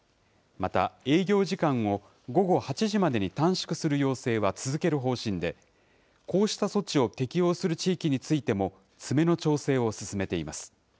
また営業時間を午後８時までに短縮する要請は続ける方針で、こうした措置を適用する地域についても、詰めの調整を進めています。